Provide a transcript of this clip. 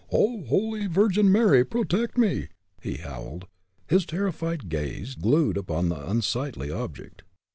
"Oh, holy Virgin Mary, protect me!" he howled, his terrified gaze glued upon the unsightly object.